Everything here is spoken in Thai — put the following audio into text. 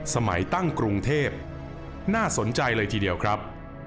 สมัยตั้งกรุงเทพน่าสนใจเลยทีเดียวครับ